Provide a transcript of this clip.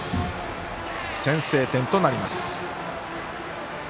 先制点となります。